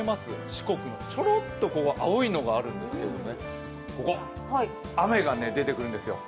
四国のちょろっとここ青いのがあるんですけど、雨が出てくるんですよ。